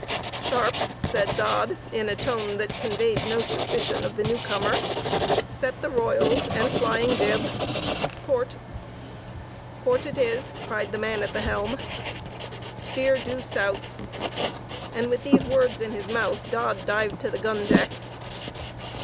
"Sharpe," said Dodd, in a tone that conveyed no suspicion of the newcomer, "set the royals, and flying jib.—Port!" "Port it is," cried the man at the helm. "Steer due South!" And, with these words in his mouth, Dodd dived to the gun deck.